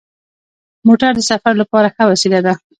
موټر د سفر لپاره ښه وسیله ده.